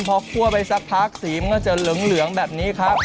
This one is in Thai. พอคั่วไปสักพักสีมันก็จะเหลืองแบบนี้ครับ